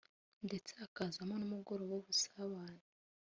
ndetse hakazabaho n’umugoroba w’ubusabane